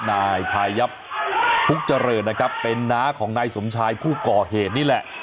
นายพายับพุกเจริญนะครับเป็นน้าของนายสมชายผู้ก่อเหตุนี่แหละ